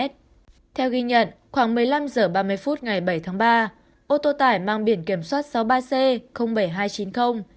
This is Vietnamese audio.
theo ghi nhận khoảng một mươi năm h ba mươi phút ngày bảy tháng ba ô tô tải mang biển kiểm soát sáu mươi ba c bảy nghìn hai trăm chín mươi do tài xế võ duy thanh